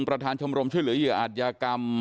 ประธานชมรมช่วยเหลือเหยื่ออาจยากรรม